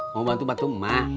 mau bantu bantu emak